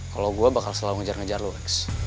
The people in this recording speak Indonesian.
kalo gua bakal selalu ngejar ngejar lu lex